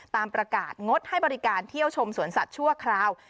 ตามประกาศงดให้บริการเที่ยวชมสวนสัตว์ชั่วคราว